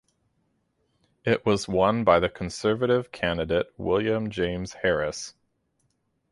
It was won by the Conservative candidate William James Harris.